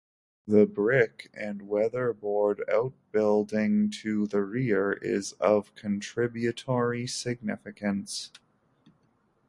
The brick and weatherboard outbuilding to the rear is of contributory significance.